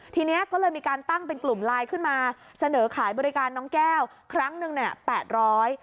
ทีนี้ก็เลยมีการตั้งเป็นกลุ่มไลน์ขึ้นมาเสนอขายบริการน้องแก้วครั้งหนึ่งเนี่ยแปดร้อย